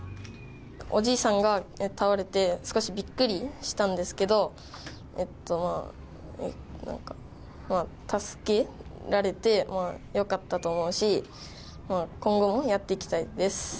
おじいさんが倒れて、少しびっくりしたんですけど、助けられてよかったと思うし、今後もやっていきたいです。